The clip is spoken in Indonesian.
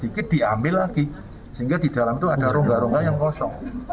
sedikit diambil lagi sehingga di dalam itu ada rongga rongga yang kosong